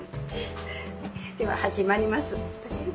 では始まります。